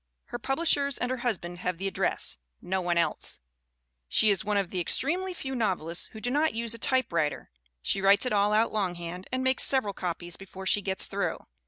Her publishers and her husband have the address no one else. She is one of the extremely few novelists who do not use a typewriter she writes it all out longhand and makes several copies before she gets through.